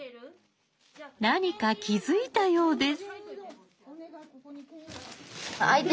何か気づいたようです。